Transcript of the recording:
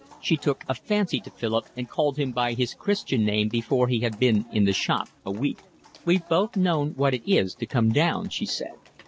She took a fancy to Philip and called him by his Christian name before he had been in the shop a week. "We've both known what it is to come down," she said.